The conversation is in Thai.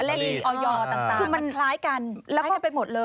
เลขที่ออยอร์ต่างมันคล้ายกัน